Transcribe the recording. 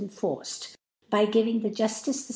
enforced, by giving the Juftice the.